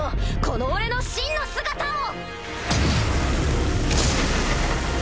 この俺の真の姿を！